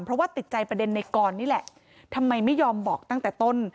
เพราะว่าติดใจประเด็นในกรนี่แหละทำไมไม่ยอมบอกตั้งแต่ต้น